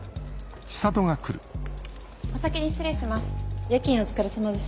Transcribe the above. お先に失礼します。